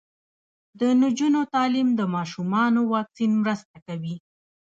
د نجونو تعلیم د ماشومانو واکسین مرسته کوي.